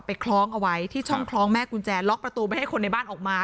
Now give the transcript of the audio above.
คล้องเอาไว้ที่ช่องคล้องแม่กุญแจล็อกประตูไม่ให้คนในบ้านออกมา